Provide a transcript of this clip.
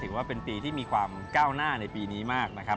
ถือว่าเป็นปีที่มีความก้าวหน้าในปีนี้มากนะครับ